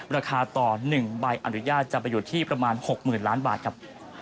ราคาต่อ๑ใบอนุญาตจะประโยชน์ที่ประมาณ๖หมื่นล้านบาทครับ